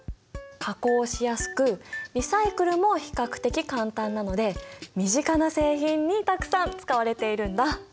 加工しやすくリサイクルも比較的簡単なので身近な製品にたくさん使われているんだ。